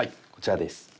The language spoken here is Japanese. こちらです。